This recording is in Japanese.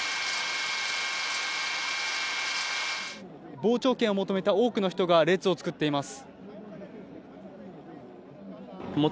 傍聴券を求めた多くの人が列を作っています。